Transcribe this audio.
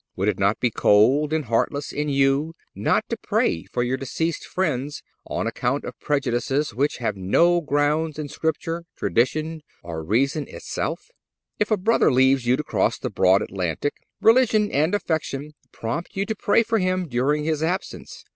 Would it not be cold and heartless in you not to pray for your deceased friends, on account of prejudices which have no grounds in Scripture, tradition or reason itself? If a brother leaves you to cross the broad Atlantic, religion and affection prompt you to pray for him during his absence.